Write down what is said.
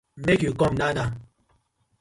Make you come now now.